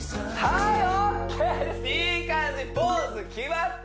いい感じポーズ決まった！